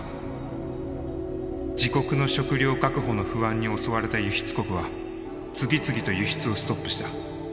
自国の食料確保の不安に襲われた輸出国は次々と輸出をストップした。